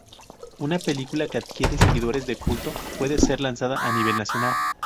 Una película que adquiera seguidores de culto puede ser lanzada a nivel nacional.